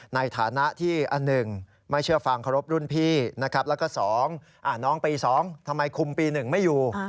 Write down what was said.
ในฐานะที่อัน๑ไม่เชื่อฟังเคารพรุ่นพี่นะครับแล้วก็๒น้องปี๒ทำไมคุมปี๑ไม่อยู่